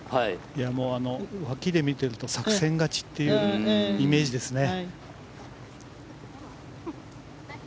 脇で見ていると作戦勝ちというイメージですね。